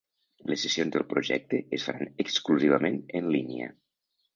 Les sessions del projecte es faran exclusivament en línia.